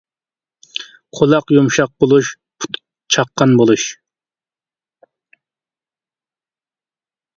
قۇلاق يۇمشاق بولۇش پۇت چاققان بولۇش.